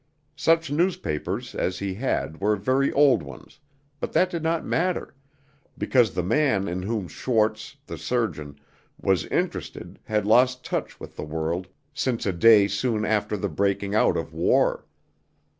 Such newspapers as he had were very old ones, but that did not matter, because the man in whom Schwarz, the surgeon, was interested had lost touch with the world since a day soon after the breaking out of war.